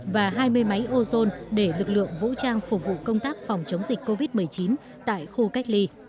và hai mươi máy ozone để lực lượng vũ trang phục vụ công tác phòng chống dịch covid một mươi chín tại khu cách ly